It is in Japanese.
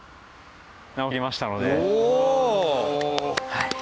はい。